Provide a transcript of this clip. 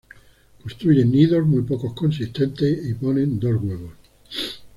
Construyen nidos muy poco consistentes y ponen dos huevos.